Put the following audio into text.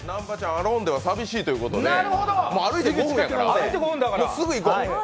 アローンでは寂しいということで歩いて５分やからすぐ行こう！